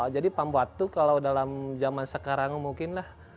jadi pamwat itu kalau dalam zaman sekarang mungkinlah